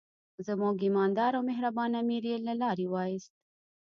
زموږ ایماندار او مهربان امیر یې له لارې وایست.